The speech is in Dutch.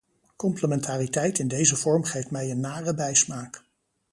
Complementariteit in deze vorm geeft mij een nare bijsmaak.